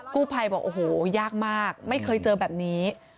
กู้ภัยบอกโอ้โหยากมากไม่เคยเจอแบบนี้